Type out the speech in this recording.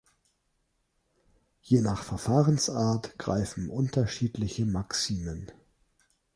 Je nach Verfahrensart greifen unterschiedliche Maximen.